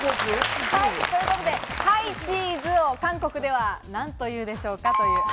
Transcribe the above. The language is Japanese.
ハイチーズを、韓国では何というでしょうか？